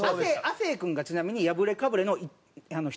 亜生君がちなみにやぶれかぶれの。